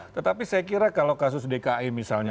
tetapi saya kira kalau kasus dki misalnya